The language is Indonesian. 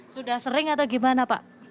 sudah sering atau gimana pak